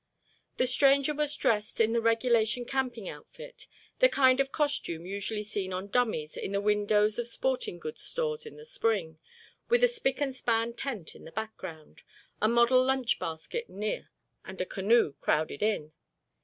The stranger was dressed in the regulation camping outfit—the kind of costume usually seen on dummies in the windows of sporting goods stores in the spring, with a spick and span tent in the background, a model lunch basket near by and a canoe crowded in.